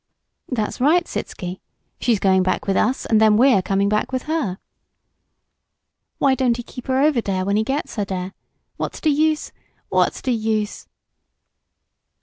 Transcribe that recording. "That's right, Sitzky. She's going back with us and then we're coming back with her." "Why don't he keep 'er over dere when he gits her dere? What's d' use what's d' use?"